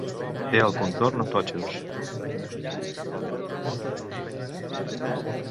Té el contorn amb totxos.